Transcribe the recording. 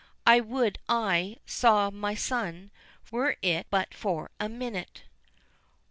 I would I saw my son, were it but for a minute."